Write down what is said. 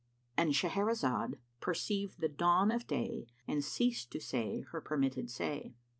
—And Shahrazad perceived the dawn of day and ceased to say her permitted say.